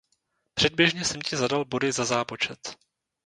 Předběžně jsem ti zadal body za zápočet.